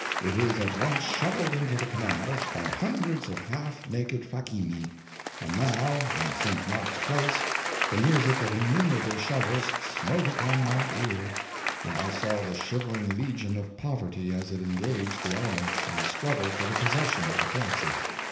It is at once shoveled into the canals by hundreds of half naked FACCHINI; and now in St. Mark's Place the music of innumerable shovels smote upon my ear; and I saw the shivering legion of poverty as it engaged the elements in a struggle for the possession of the Piazza.